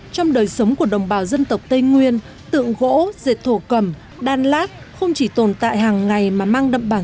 trong đời sống của đồng bào dân tộc tây nguyên tượng gỗ dệt thổ cầm đan lát không chỉ tồn tại hàng ngày mà mang đậm bản